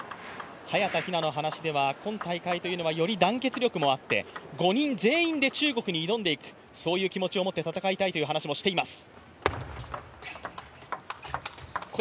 早田ひなの話では今大会というのはより団結力もあって５人全員で中国に挑んでいく、そういう気持ちを持って戦いたいという話もしています。